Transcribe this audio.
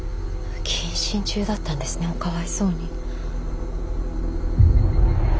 謹慎中だったんですねおかわいそうに。